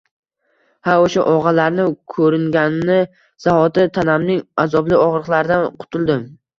Ha, o‘sha og‘alarim ko‘ringani zahoti tanamning azobli og‘riqlaridan qutuldim